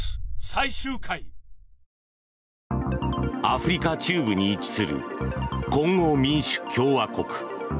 アフリカ中部に位置するコンゴ民主共和国。